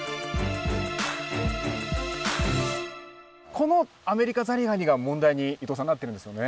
このアメリカザリガニが問題に伊藤さんなってるんですよね。